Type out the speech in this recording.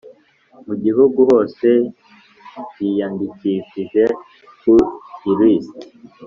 mu gihugu hose biyandikishije ku ilisiti